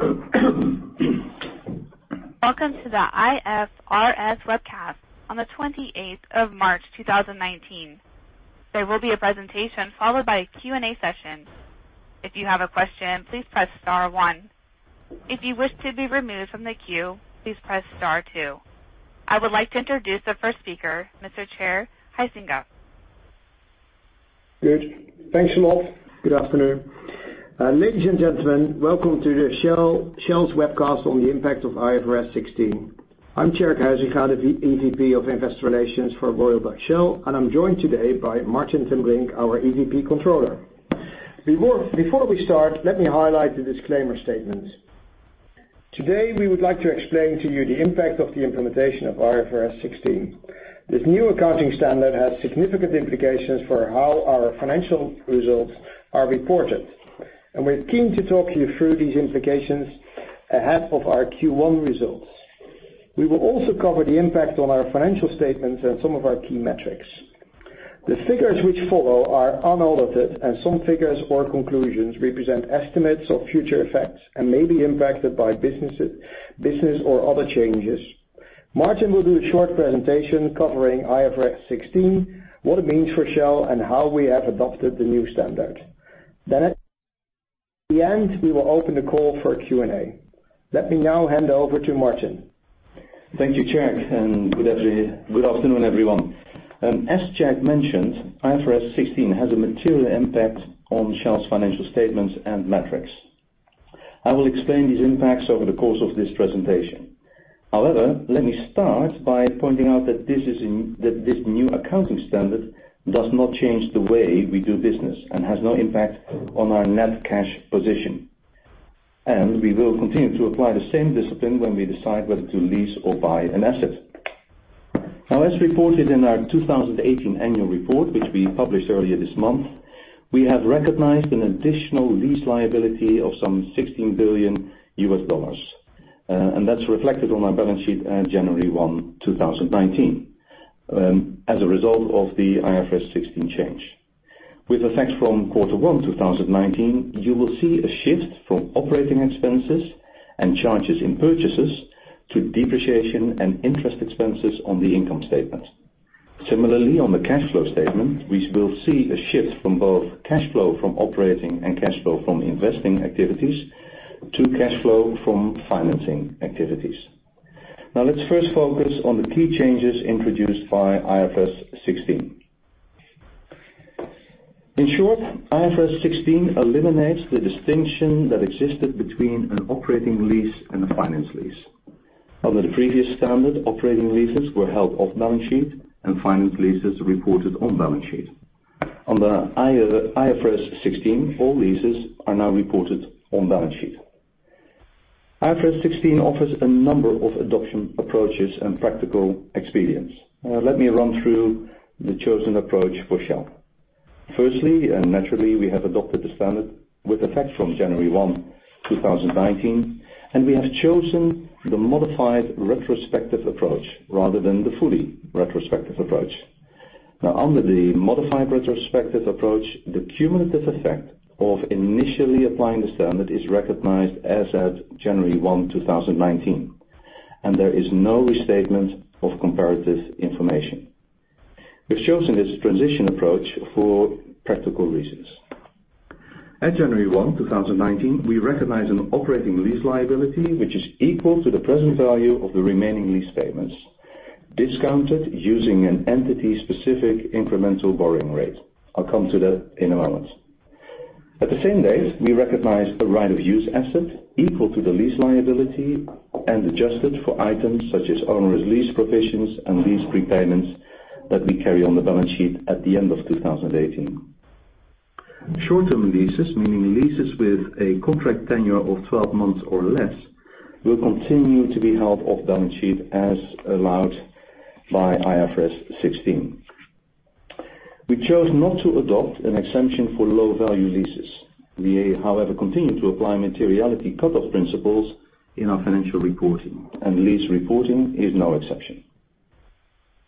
Welcome to the IFRS webcast on the 28th of March, 2019. There will be a presentation followed by a Q&A session. If you have a question, please press star 1. If you wish to be removed from the queue, please press star 2. I would like to introduce the first speaker, Mr. Tjerk Huysinga. Good. Thanks a lot. Good afternoon. Ladies and gentlemen, welcome to Shell's webcast on the impact of IFRS 16. I'm Tjerk Huysinga, the EVP of Investor Relations for Royal Dutch Shell, and I'm joined today by Martin ten Brink, our EVP Controller. Before we start, let me highlight the disclaimer statement. Today, we would like to explain to you the impact of the implementation of IFRS 16. This new accounting standard has significant implications for how our financial results are reported, and we're keen to talk you through these implications ahead of our Q1 results. We will also cover the impact on our financial statements and some of our key metrics. The figures which follow are unaudited, and some figures or conclusions represent estimates of future effects and may be impacted by business or other changes. Martin will do a short presentation covering IFRS 16, what it means for Shell, and how we have adopted the new standard. At the end, we will open the call for a Q&A. Let me now hand over to Martin. Thank you, Tjerk. Good afternoon, everyone. As Tjerk mentioned, IFRS 16 has a material impact on Shell's financial statements and metrics. I will explain these impacts over the course of this presentation. However, let me start by pointing out that this new accounting standard does not change the way we do business and has no impact on our net cash position. We will continue to apply the same discipline when we decide whether to lease or buy an asset. Now, as reported in our 2018 annual report, which we published earlier this month, we have recognized an additional lease liability of some $16 billion, and that's reflected on our balance sheet at January 1, 2019, as a result of the IFRS 16 change. With effects from Q1 2019, you will see a shift from operating expenses and charges in purchases to depreciation and interest expenses on the income statement. Similarly, on the cash flow statement, we will see a shift from both cash flow from operating and cash flow from investing activities to cash flow from financing activities. Let's first focus on the key changes introduced by IFRS 16. In short, IFRS 16 eliminates the distinction that existed between an operating lease and a finance lease. Under the previous standard, operating leases were held off balance sheet and finance leases reported on balance sheet. Under IFRS 16, all leases are now reported on balance sheet. IFRS 16 offers a number of adoption approaches and practical experience. Let me run through the chosen approach for Shell. Firstly, and naturally, we have adopted the standard with effect from January 1, 2019, and we have chosen the modified retrospective approach rather than the fully retrospective approach. Under the modified retrospective approach, the cumulative effect of initially applying the standard is recognized as at January 1, 2019, and there is no restatement of comparative information. We've chosen this transition approach for practical reasons. At January 1, 2019, we recognized an operating lease liability, which is equal to the present value of the remaining lease payments, discounted using an entity specific incremental borrowing rate. I'll come to that in a moment. At the same date, we recognized a right of use asset equal to the lease liability and adjusted for items such as onerous lease provisions and lease prepayments that we carry on the balance sheet at the end of 2018. Short-term leases, meaning leases with a contract tenure of 12 months or less, will continue to be held off balance sheet as allowed by IFRS 16. We chose not to adopt an exemption for low-value leases. We, however, continue to apply materiality cut-off principles in our financial reporting, and lease reporting is no exception.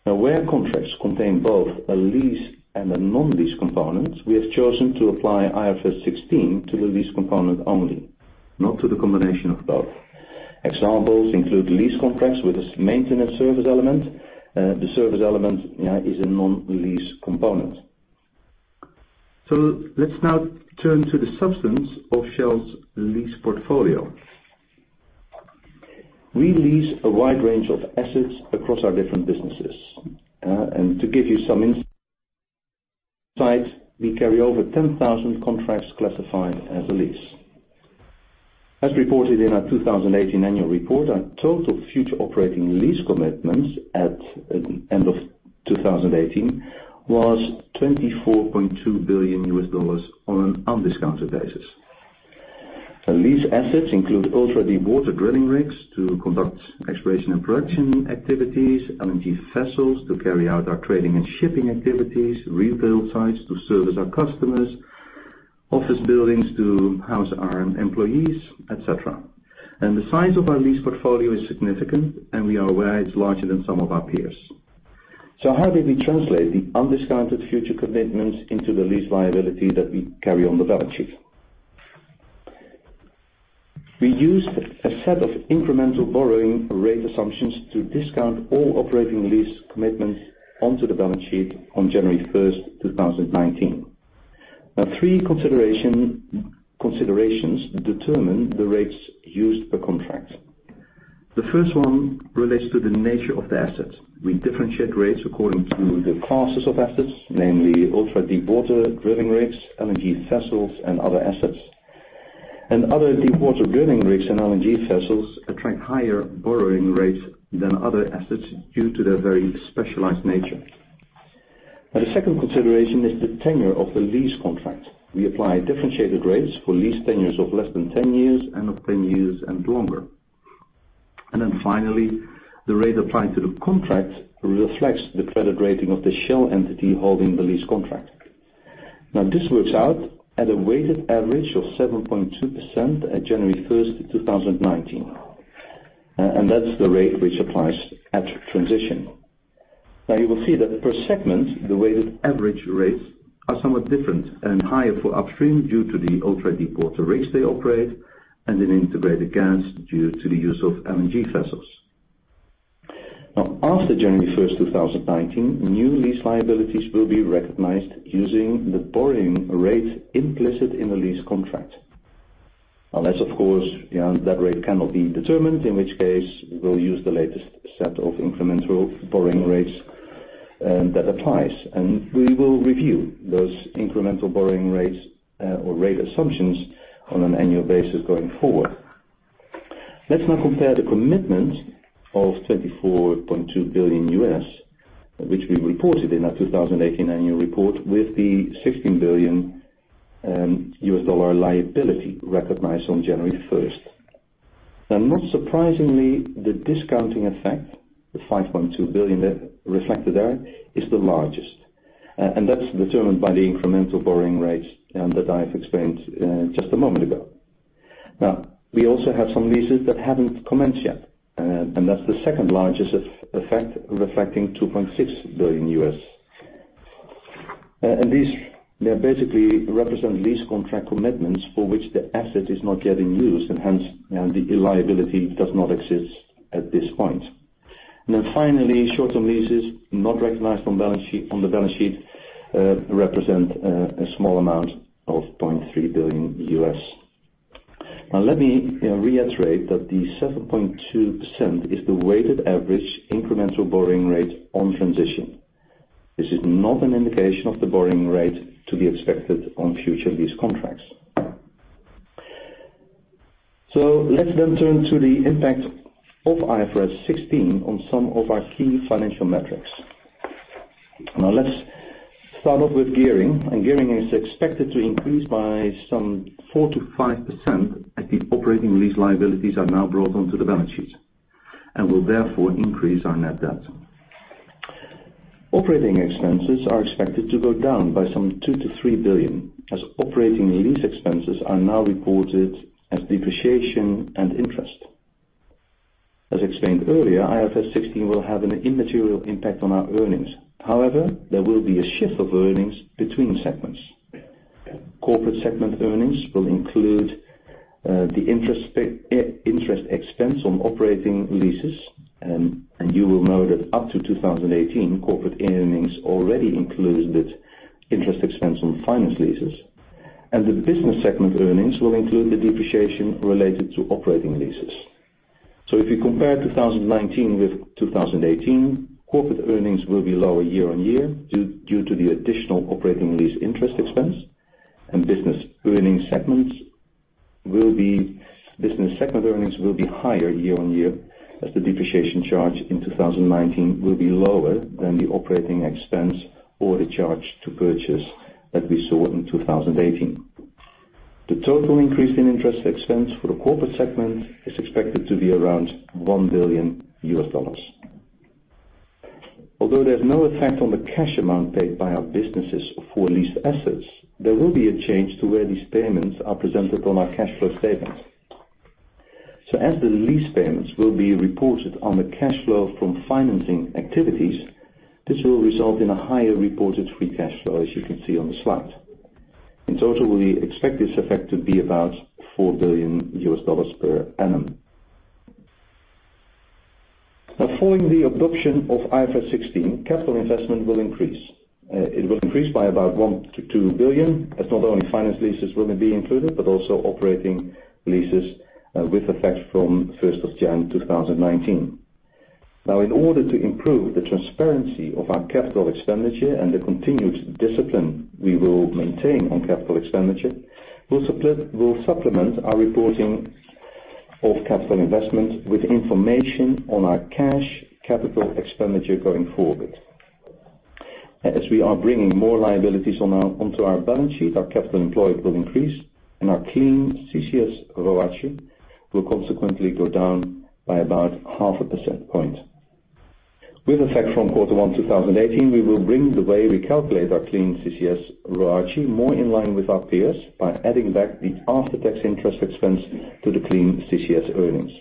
Where contracts contain both a lease and a non-lease component, we have chosen to apply IFRS 16 to the lease component only, not to the combination of both. Examples include lease contracts with a maintenance service element. The service element is a non-lease component. Let's now turn to the substance of Shell's lease portfolio. We lease a wide range of assets across our different businesses. To give you some insight, we carry over 10,000 contracts classified as a lease. As reported in our 2018 annual report, our total future operating lease commitments at end of 2018 was $24.2 billion on an undiscounted basis. Lease assets include also the ultra-deepwater drilling rigs to conduct exploration and production activities, LNG vessels to carry out our trading and shipping activities, retail sites to service our customers, office buildings to house our employees, et cetera. The size of our lease portfolio is significant, and we are aware it's larger than some of our peers. How did we translate the undiscounted future commitments into the lease liability that we carry on the balance sheet? We used a set of incremental borrowing rate assumptions to discount all operating lease commitments onto the balance sheet on January 1st, 2019. Three considerations determine the rates used per contract. The first one relates to the nature of the assets. We differentiate rates according to the classes of assets, namely ultra-deepwater drilling rigs, LNG vessels, and other assets. Other deepwater drilling rigs and LNG vessels attract higher borrowing rates than other assets due to their very specialized nature. The second consideration is the tenure of the lease contract. We apply differentiated rates for lease tenures of less than 10 years and of 10 years and longer. Finally, the rate applied to the contract reflects the credit rating of the Shell entity holding the lease contract. This works out at a weighted average of 7.2% at January 1st, 2019. That's the rate which applies at transition. You will see that per segment, the weighted average rates are somewhat different and higher for upstream due to the ultra-deepwater rigs they operate and in integrated gas due to the use of LNG vessels. After January 1st, 2019, new lease liabilities will be recognized using the borrowing rate implicit in the lease contract. Unless, of course, that rate cannot be determined, in which case we will use the latest set of incremental borrowing rates that applies. We will review those incremental borrowing rates or rate assumptions on an annual basis going forward. Let's now compare the commitment of $24.2 billion, which we reported in our 2018 annual report with the $16 billion liability recognized on January 1st. Not surprisingly, the discounting effect, the $5.2 billion reflected there, is the largest. That's determined by the incremental borrowing rates that I have explained just a moment ago. We also have some leases that haven't commenced yet, and that's the second largest effect, reflecting $2.6 billion. These basically represent lease contract commitments for which the asset is not yet in use, and hence, the liability does not exist at this point. Finally, short-term leases not recognized on the balance sheet represent a small amount of $0.3 billion. Let me reiterate that the 7.2% is the weighted average incremental borrowing rate on transition. This is not an indication of the borrowing rate to be expected on future lease contracts. Let's then turn to the impact of IFRS 16 on some of our key financial metrics. Let's start off with gearing. Gearing is expected to increase by some 4%-5% as the operating lease liabilities are now brought onto the balance sheet and will therefore increase our net debt. Operating expenses are expected to go down by some $2 billion-$3 billion as operating lease expenses are now reported as depreciation and interest. As explained earlier, IFRS 16 will have an immaterial impact on our earnings. However, there will be a shift of earnings between segments. Corporate segment earnings will include the interest expense on operating leases. You will know that up to 2018, corporate earnings already included interest expense on finance leases. The business segment earnings will include the depreciation related to operating leases. If you compare 2019 with 2018, corporate earnings will be lower year-on-year due to the additional operating lease interest expense. Business segment earnings will be higher year on year as the depreciation charge in 2019 will be lower than the operating expense or the charge to purchase that we saw in 2018. The total increase in interest expense for the corporate segment is expected to be around $1 billion. Although there's no effect on the cash amount paid by our businesses for leased assets, there will be a change to where these payments are presented on our cash flow statement. As the lease payments will be reported on the cash flow from financing activities, this will result in a higher reported free cash flow, as you can see on the slide. In total, we expect this effect to be about $4 billion per annum. Following the adoption of IFRS 16, capital investment will increase. It will increase by about $1 billion-$2 billion, as not only finance leases will be included, but also operating leases with effect from 1st of January 2019. In order to improve the transparency of our capital expenditure and the continuous discipline we will maintain on capital expenditure, we will supplement our reporting of capital investment with information on our cash capital expenditure going forward. We are bringing more liabilities onto our balance sheet, our capital employed will increase and our Clean CCS ROACE will consequently go down by about half a percent point. With effect from quarter one 2018, we will bring the way we calculate our Clean CCS ROACE more in line with our peers by adding back the after-tax interest expense to the Clean CCS earnings.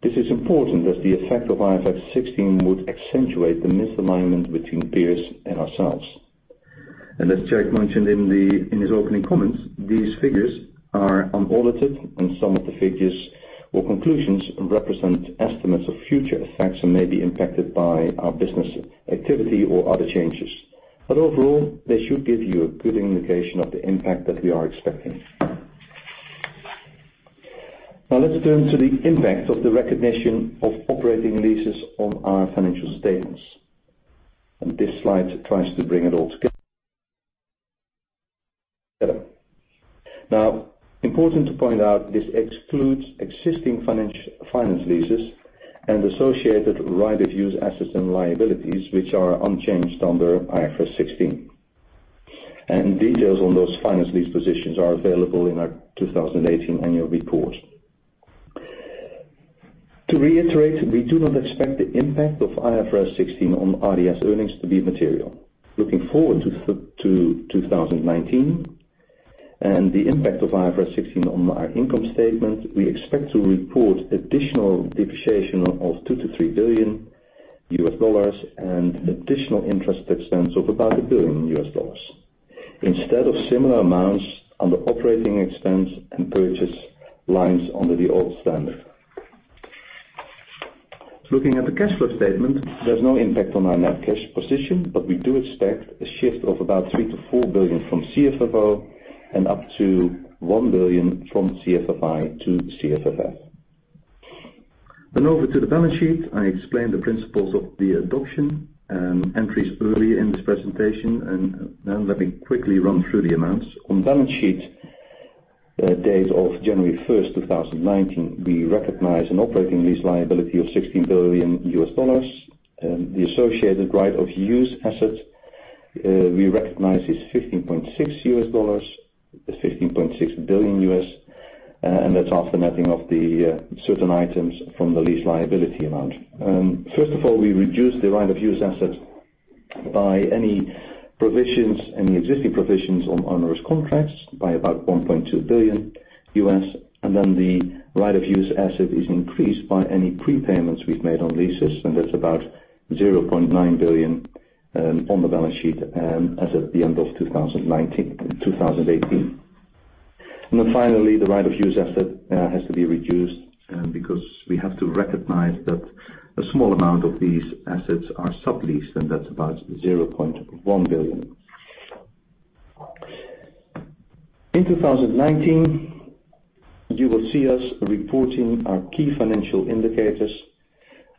This is important as the effect of IFRS 16 would accentuate the misalignment between peers and ourselves. As Tjerk mentioned in his opening comments, these figures are unaudited, and some of the figures or conclusions represent estimates of future effects and may be impacted by our business activity or other changes. Overall, they should give you a good indication of the impact that we are expecting. Let's turn to the impact of the recognition of operating leases on our financial statements. This slide tries to bring it all together. Important to point out, this excludes existing finance leases and associated right of use assets and liabilities, which are unchanged under IFRS 16. Details on those finance lease positions are available in our 2018 annual report. To reiterate, we do not expect the impact of IFRS 16 on RDS earnings to be material. Looking forward to 2019 and the impact of IFRS 16 on our income statement, we expect to report additional depreciation of $2 billion-$3 billion and additional interest expense of about $1 billion instead of similar amounts under operating expense and purchase lines under the old standard. Looking at the cash flow statement, there's no impact on our net cash position, but we do expect a shift of about $3 billion-$4 billion from CFFO and up to $1 billion from CFFI to CFFS. Over to the balance sheet. I explained the principles of the adoption and entries earlier in this presentation. Now let me quickly run through the amounts. On balance sheet, date of January 1st, 2019, we recognized an operating lease liability of $16 billion. The associated right of use asset we recognized is $15.6 billion, and that's after netting off the certain items from the lease liability amount. First of all, we reduced the right of use asset by any existing provisions on onerous contracts by about $1.2 billion. And then the right of use asset is increased by any prepayments we've made on leases, and that's about $0.9 billion on the balance sheet as of the end of 2018. And then finally, the right of use asset has to be reduced because we have to recognize that a small amount of these assets are subleased, and that's about $0.1 billion. In 2019, you will see us reporting our key financial indicators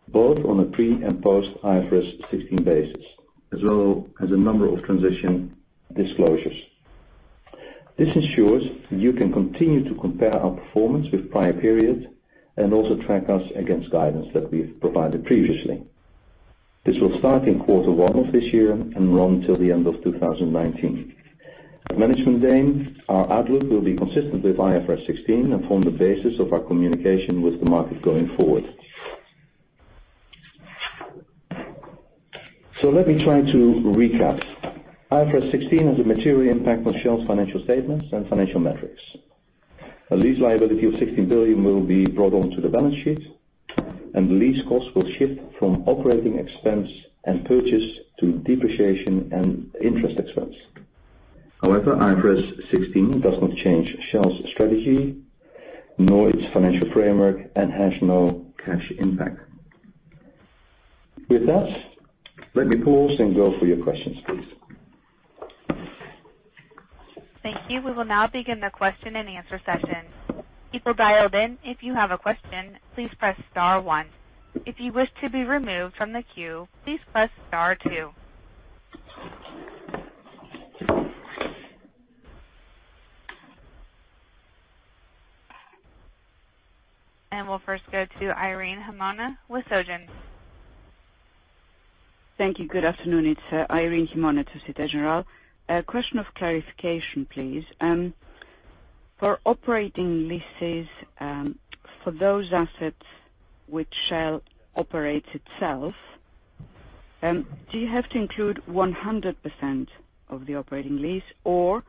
both on a pre and post IFRS 16 basis, as well as a number of transition disclosures. This ensures you can continue to compare our performance with prior periods and also track us against guidance that we've provided previously. This will start in quarter one of this year and run till the end of 2019. At management aim, our outlook will be consistent with IFRS 16 and form the basis of our communication with the market going forward. Let me try to recap. IFRS 16 has a material impact on Shell's financial statements and financial metrics. A lease liability of $16 billion will be brought onto the balance sheet, and lease costs will shift from operating expense and purchase to depreciation and interest expense. IFRS 16 does not change Shell's strategy, nor its financial framework and has no cash impact. With that, let me pause and go for your questions, please. Thank you. We will now begin the question and answer session. People dialed in, if you have a question, please press star one. If you wish to be removed from the queue, please press star two. And we'll first go to Irene Himona with Societe Generale. Thank you. Good afternoon. It's Irene Himona with Societe Generale. A question of clarification, please. For operating leases, for those assets which Shell operates itself, do you have to include 100% of the operating lease or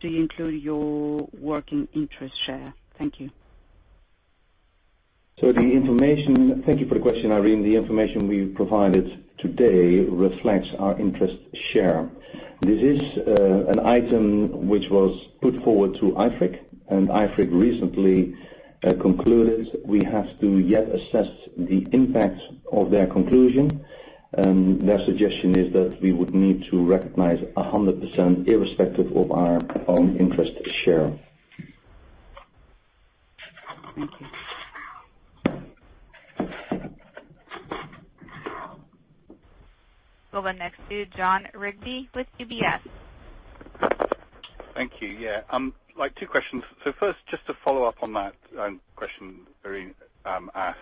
do you include your working interest share? Thank you. Thank you for the question, Irene. The information we provided today reflects our interest share. This is an item which was put forward to IFRIC, and IFRIC recently concluded we have to yet assess the impact of their conclusion. Their suggestion is that we would need to recognize 100%, irrespective of our own interest share. Thank you. We'll go next to Jon Rigby with UBS. Thank you. Yeah. Two questions. First, just to follow up on that question Irene asked.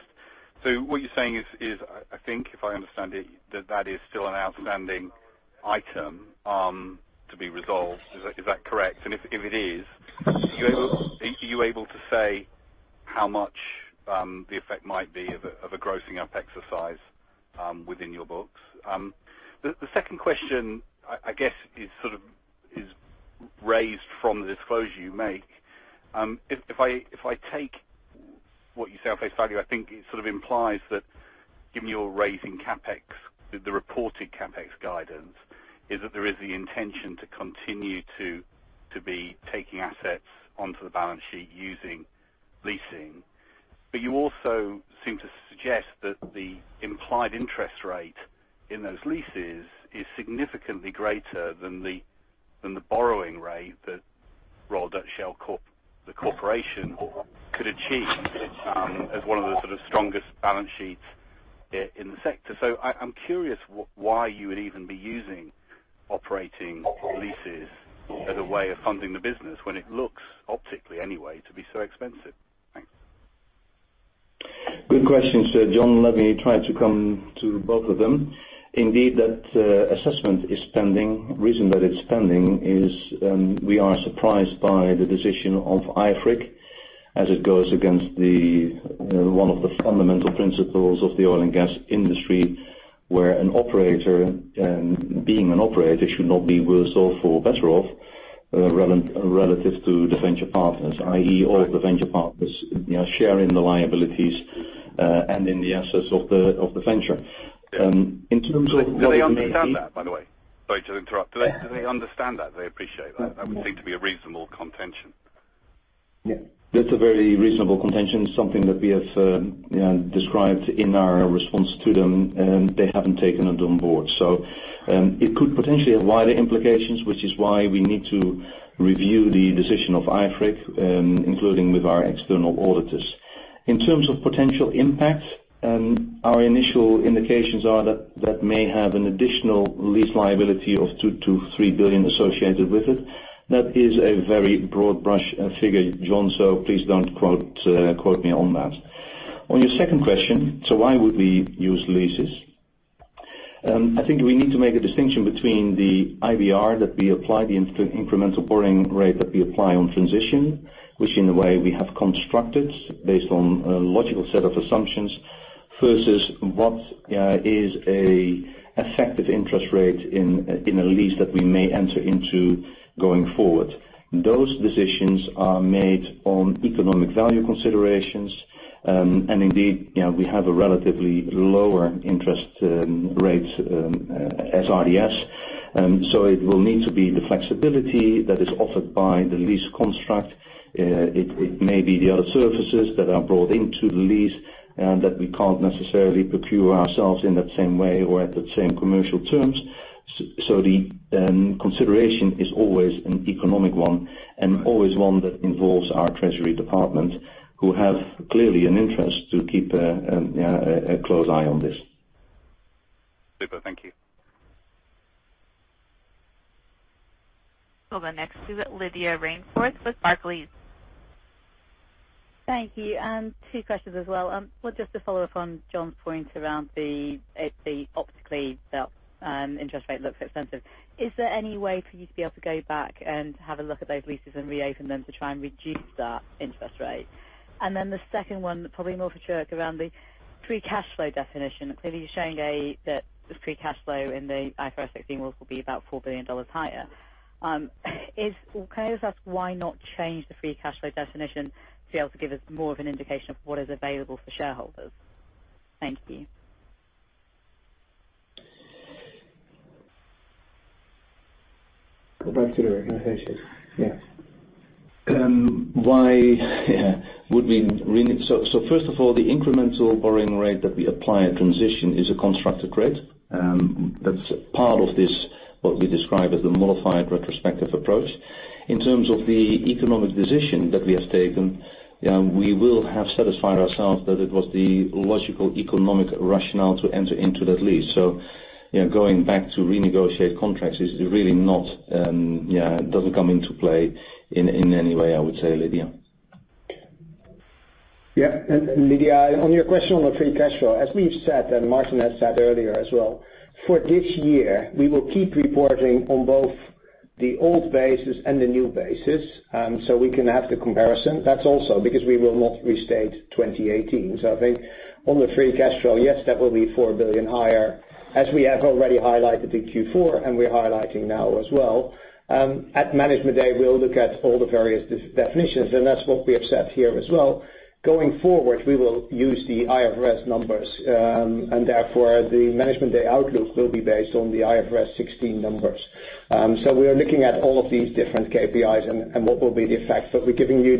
What you're saying is, I think if I understand it, that that is still an outstanding item to be resolved. Is that correct? If it is, are you able to say how much the effect might be of a grossing up exercise within your books? The second question, I guess, is sort of raised from the disclosure you make. If I take what you say on face value, I think it implies that given your raising CapEx, the reported CapEx guidance, is that there is the intention to continue to be taking assets onto the balance sheet using leasing. You also seem to suggest that the implied interest rate in those leases is significantly greater than the borrowing rate that Royal Dutch Shell, the corporation, could achieve as one of the strongest balance sheets in the sector. I'm curious why you would even be using operating leases as a way of funding the business when it looks, optically anyway, to be so expensive. Thanks. Good question, sir Jon. Let me try to come to both of them. Indeed, that assessment is pending. Reason that it's pending is we are surprised by the decision of IFRIC as it goes against one of the fundamental principles of the oil and gas industry, where an operator, being an operator should not be worse off or better off relative to the venture partners, i.e., all the venture partners share in the liabilities and in the assets of the venture. In terms of. Do they understand that, by the way? Sorry to interrupt. Do they understand that? Do they appreciate that? That would seem to be a reasonable contention. Yeah, that's a very reasonable contention. Something that we have described in our response to them, and they haven't taken it on board. It could potentially have wider implications, which is why we need to review the decision of IFRIC, including with our external auditors. In terms of potential impact, our initial indications are that that may have an additional lease liability of $2 billion-$3 billion associated with it. That is a very broad brush figure, Jon, so please don't quote me on that. On your second question, why would we use leases? I think we need to make a distinction between the IBR that we apply, the incremental borrowing rate that we apply on transition, which in a way we have constructed based on a logical set of assumptions, versus what is a effective interest rate in a lease that we may enter into going forward. Those decisions are made on economic value considerations. Indeed, we have a relatively lower interest rate RDS. It will need to be the flexibility that is offered by the lease construct. It may be the other services that are brought into the lease that we cannot necessarily procure ourselves in that same way or at the same commercial terms. The consideration is always an economic one, and always one that involves our treasury department, who have clearly an interest to keep a close eye on this. Super. Thank you. We will go next to Lydia Rainforth with Barclays. Thank you. Two questions as well. Just to follow up on Jon's point around the optically, the interest rate looks expensive. Is there any way for you to be able to go back and have a look at those leases and reopen them to try and reduce that interest rate? Then the second one, probably more for Tjerk around the free cash flow definition. Clearly, you are showing that this free cash flow in the IFRS 16 world will be about $4 billion higher. Can I just ask why not change the free cash flow definition to be able to give us more of an indication of what is available for shareholders? Thank you. Go back to the renegotiation. Yeah. Why would we first of all, the incremental borrowing rate that we apply at transition is a constructed grid. That's part of this, what we describe as the modified retrospective approach. In terms of the economic decision that we have taken, we will have satisfied ourselves that it was the logical economic rationale to enter into that lease. Going back to renegotiate contracts, it doesn't come into play in any way, I would say, Lydia. Yeah. Lydia, on your question on the free cash flow, as we've said, and Martin has said earlier as well, for this year, we will keep reporting on both the old basis and the new basis, so we can have the comparison. That's also because we will not restate 2018. I think on the free cash flow, yes, that will be $4 billion higher, as we have already highlighted in Q4 and we're highlighting now as well. At Capital Markets Day, we'll look at all the various definitions, and that's what we have said here as well. Going forward, we will use the IFRS numbers, and therefore the Capital Markets Day outlook will be based on the IFRS 16 numbers. We are looking at all of these different KPIs and what will be the effect. We're giving you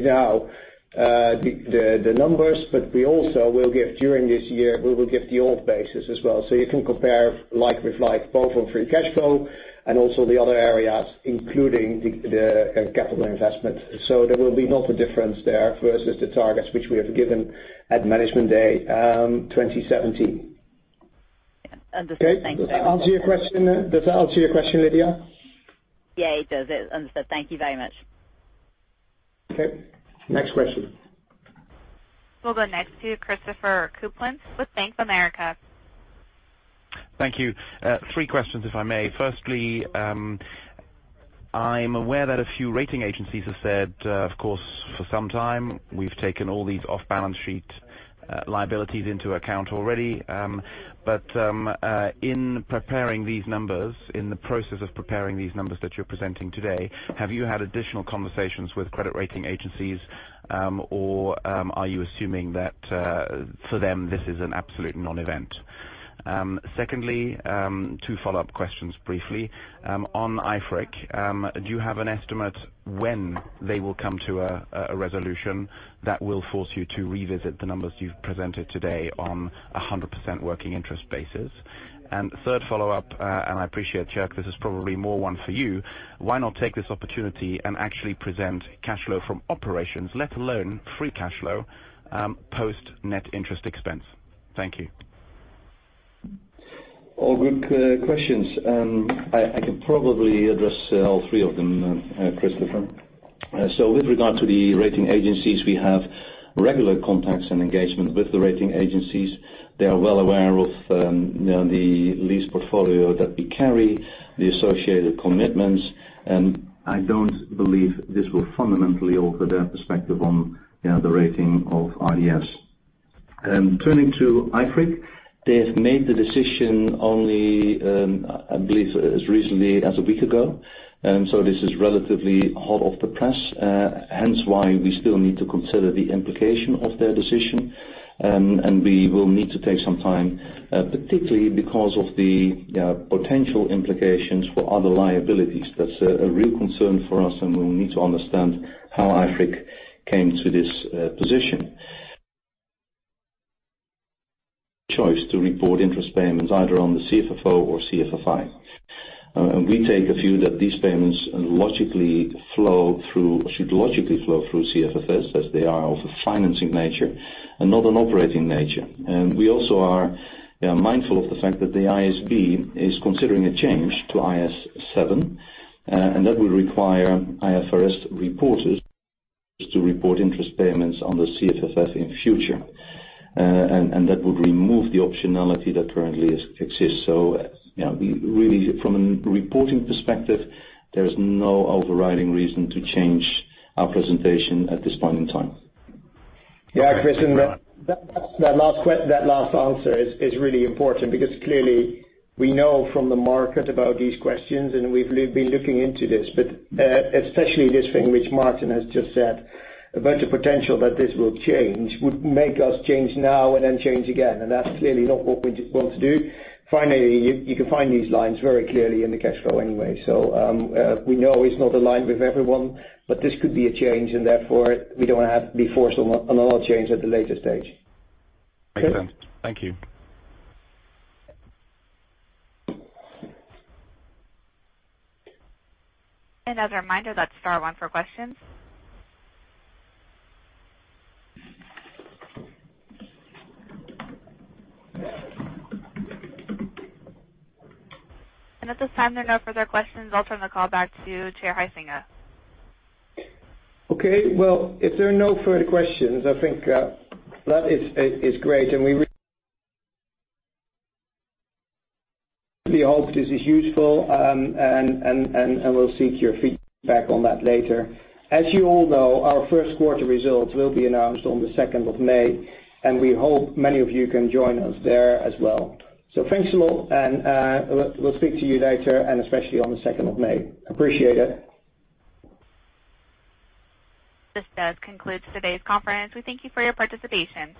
now the numbers, but we also will give during this year, we will give the old basis as well, so you can compare like with like, both on free cash flow and also the other areas, including the capital investment. There will be not a difference there versus the targets which we have given at Capital Markets Day 2017. Understood. Thanks very much. Does that answer your question, Lydia? Yeah, it does. Understood. Thank you very much. Okay. Next question. We'll go next to Christopher Kuplent with Bank of America. Thank you. Three questions, if I may. Firstly, I'm aware that a few rating agencies have said, of course, for some time, we've taken all these off-balance sheet liabilities into account already. In the process of preparing these numbers that you're presenting today, have you had additional conversations with credit rating agencies or are you assuming that for them this is an absolute non-event? Secondly, two follow-up questions briefly. On IFRIC, do you have an estimate when they will come to a resolution that will force you to revisit the numbers you've presented today on 100% working interest basis? Third follow-up, and I appreciate, Tjerk, this is probably more one for you, why not take this opportunity and actually present cash flow from operations, let alone free cash flow, post net interest expense? Thank you. All good questions. I can probably address all three of them, Christopher. With regard to the rating agencies, we have regular contacts and engagement with the rating agencies. They are well aware of the lease portfolio that we carry, the associated commitments, and I don't believe this will fundamentally alter their perspective on the rating of RDS. Turning to IFRIC, they have made the decision only, I believe, as recently as a week ago, this is relatively hot off the press, hence why we still need to consider the implication of their decision, and we will need to take some time, particularly because of the potential implications for other liabilities. That's a real concern for us, and we'll need to understand how IFRIC came to this position. Choice to report interest payments either on the CFFO or CFFI. We take a view that these payments should logically flow through CFFS as they are of a financing nature and not an operating nature. We also are mindful of the fact that the IASB is considering a change to IAS 7, and that will require IFRS reporters to report interest payments on the CFFS in future. That would remove the optionality that currently exists. Really, from a reporting perspective, there is no overriding reason to change our presentation at this point in time. Chris, that last answer is really important because clearly we know from the market about these questions, and we've been looking into this. Especially this thing which Martin has just said about the potential that this will change would make us change now and then change again, and that's clearly not what we want to do. Finally, you can find these lines very clearly in the cash flow anyway. We know it's not aligned with everyone, but this could be a change, and therefore, we don't want to have to be forced on another change at the later stage. Makes sense. Thank you. As a reminder, that's star one for questions. At this time, there are no further questions. I'll turn the call back to Tjerk Huysinga. Okay. Well, if there are no further questions, I think that is great. We really hope this is useful, and we'll seek your feedback on that later. As you all know, our first quarter results will be announced on the 2nd of May. We hope many of you can join us there as well. Thanks a lot. We'll speak to you later, and especially on the 2nd of May. Appreciate it. This does conclude today's conference. We thank you for your participation.